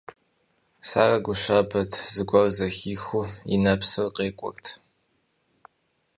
Сарэ гу щабэт, зыгуэр зэрызэхихыу и нэпсыр къекӏуэрт.